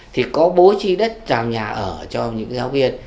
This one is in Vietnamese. thì có bố trí đất trào nhà ở cho những giáo viên